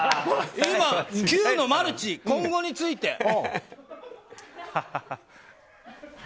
今、９のマルチ今後について。